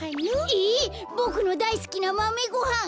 えボクのだいすきなまめごはん！